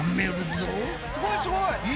すごいすごい。